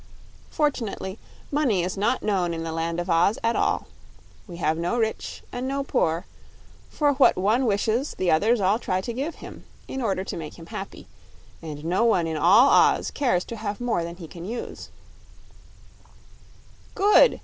"Fortunately money is not known in the Land of Oz at all. We have no rich, and no poor; for what one wishes the others all try to give him, in order to make him happy, and no one in all Oz cares to have more than he can use." "Good!"